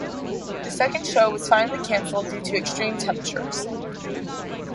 The second show was finally canceled due to extreme temperatures.